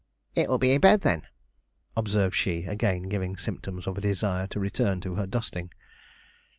'It'll be i' bed, then,' observed she, again giving symptoms of a desire to return to her dusting.